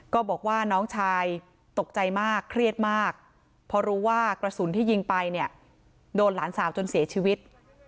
ก็บอกว่าน้องชายตกใจมากเครียดมากเพราะรู้ว่ากระสุนที่ยิงไปเนี่ยโดนหลานสาวจนเสียชีวิต